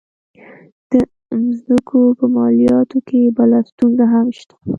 د مځکو په مالیاتو کې بله ستونزه هم شته.